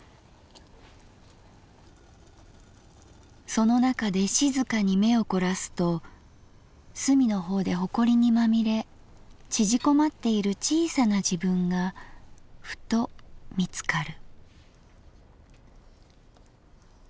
その中で静かに眼をこらすと隅の方でホコリにまみれ縮こまっている小さな自分がフト見つかる」。